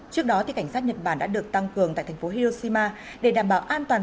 trước đó cảnh sát nhật bản đã được tăng cường tại thành phố hiroshima để đảm bảo an toàn